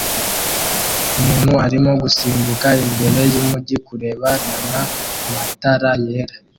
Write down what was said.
Umuntu arimo gusimbuka imbere yumujyi kureba nana matara yera